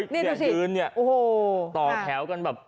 เนี่ยต่อแถวกันแบบ